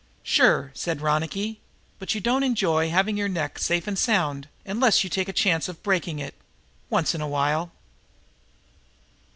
"Sure," said Ronicky, "but you don't enjoy having your neck safe and sound, unless you take a chance of breaking it, once in a while."